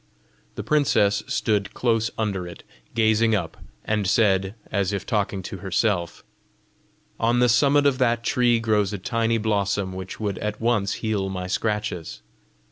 The princess stood close under it, gazing up, and said, as if talking to herself, "On the summit of that tree grows a tiny blossom which would at once heal my scratches!